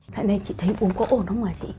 cái này chị thấy uống có ổn không ạ chị